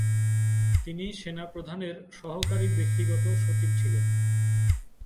তিনি সেনাপ্রধানের সহকারী ব্যক্তিগত সচিব ছিলেন।